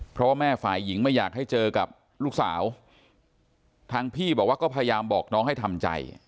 เพราะว่าแม่ฝ่ายหญิงไม่อยากให้เจอกับลูกสาวทางพี่บอกว่าก็พยายามบอกน้องให้ทำใจ